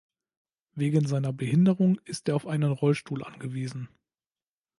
Wegen seiner Behinderung ist er auf einen Rollstuhl angewiesen.